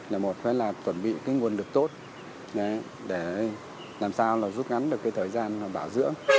là một phải là chuẩn bị cái nguồn lực tốt để làm sao là rút ngắn được cái thời gian bảo dưỡng